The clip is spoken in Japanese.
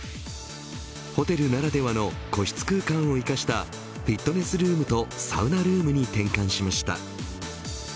ホテルならではの個室空間を生かしたフィットネスルームとサウナルームに転換しました。